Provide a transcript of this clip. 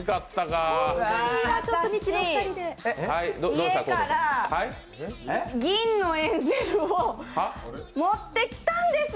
私、家から銀のエンゼルを持ってきたんです